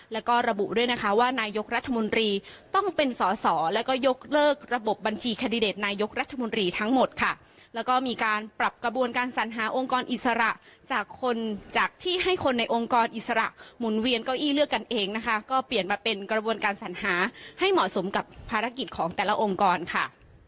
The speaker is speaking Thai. แล้วก็ระบุด้วยนะคะว่านายกรัฐมนตรีต้องเป็นสอสอแล้วก็ยกเลิกระบบบัญชีแคนดิเดตนายกรัฐมนตรีทั้งหมดค่ะแล้วก็มีการปรับกระบวนการสัญหาองค์กรอิสระจากคนจากที่ให้คนในองค์กรอิสระหมุนเวียนเก้าอี้เลือกกันเองนะคะก็เปลี่ยนมาเป็นกระบวนการสัญหาให้เหมาะสมกับภารกิจของแต่ละองค์กรค่ะ